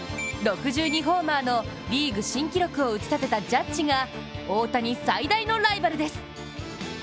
６２ホーマーのリーグ新記録を打ち立てたジャッジが大谷最大のライバルです。